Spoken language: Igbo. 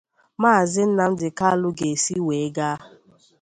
Maazị Nnamdi Kanu ga-esi wee gaa.